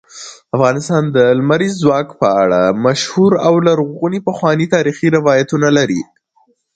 افغانستان د لمریز ځواک په اړه مشهور او لرغوني پخواني تاریخی روایتونه لري.